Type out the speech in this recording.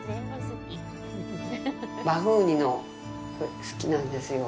バフンウニ、好きなんですよ。